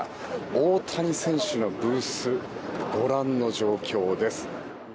大谷選手のブースご覧の状況です。